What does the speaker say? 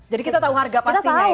jadi kita tahu harga pastinya ya